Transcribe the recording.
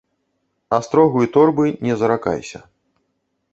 Астрогу і торбы не заракайся.